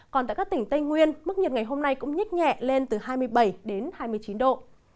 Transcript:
còn tại các tỉnh tây nguyên mức nhiệt ngày hôm nay cũng nhích nhẹ lên từ hai mươi bảy đến hai mươi chín độ